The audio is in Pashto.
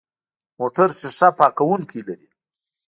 موټر شیشه پاکونکي لري.